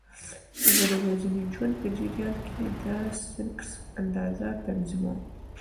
زه د ورځني ژوند په جریان کې د سنکس اندازه تنظیموم.